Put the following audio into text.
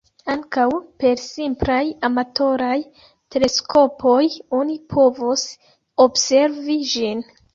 Ankaŭ per simplaj amatoraj teleskopoj oni povos observi ĝin.